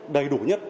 đầy đủ nhất